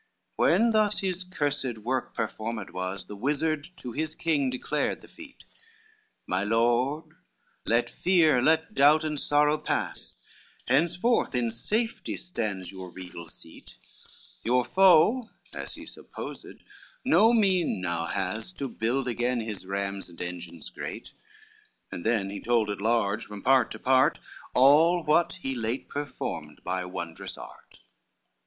XII When thus his cursed work performed was, The wizard to his king declared the feat, "My lord, let fear, let doubt and sorrow pass, Henceforth in safety stands your regal seat, Your foe, as he supposed, no mean now has To build again his rams and engines great:" And then he told at large from part to part, All what he late performed by wondrous art.